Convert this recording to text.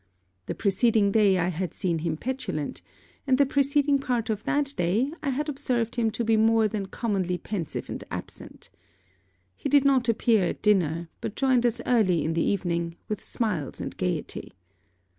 The preceding day I had seen him petulant; and the preceding part of that day, I had observed him to be more than commonly pensive and absent. He did not appear at dinner; but joined us early in the evening, with smiles and gaiety.